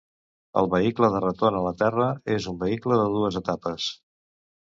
El Vehicle de Retorn a la Terra és un vehicle de dues etapes.